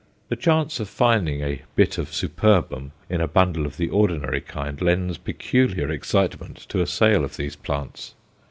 The chance of finding a bit of superbum in a bundle of the ordinary kind lends peculiar excitement to a sale of these plants.